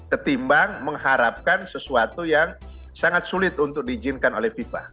ketimbang mengharapkan sesuatu yang sangat sulit untuk diizinkan oleh fifa